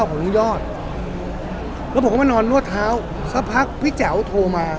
ของลุงยอดแล้วผมก็มานอนนวดเท้าสักพักพี่แจ๋วโทรมา